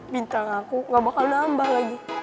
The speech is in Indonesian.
bintang aku gak bakal nambah lagi